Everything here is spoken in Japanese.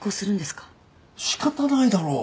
仕方ないだろう！